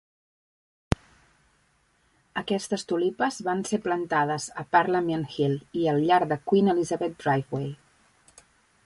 Aquestes tulipes van ser plantades a Parliament Hill i al llarg del Queen Elizabeth Driveway.